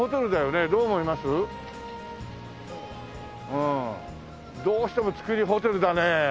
うん。どうしても造りホテルだね。